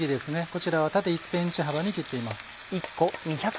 こちらは縦１ｃｍ幅に切っています。